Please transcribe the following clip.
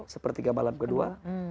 sepertiga malam kedua